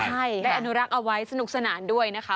ได้อนุรักษ์เอาไว้สนุกสนานด้วย